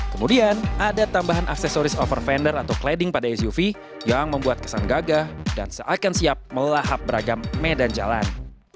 kemudian ada tambahan aksesoris overfander atau clading pada suv yang membuat kesan gagah dan seakan siap melahap beragam medan jalan